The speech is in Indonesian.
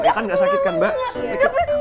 ya kan nggak sakit kan mbak